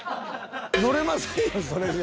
乗れませんよそれじゃ。